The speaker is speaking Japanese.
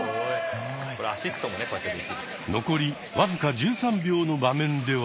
残り僅か１３秒の場面では。